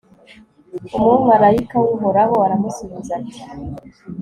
umumalayika w'uhoraho aramusubiza ati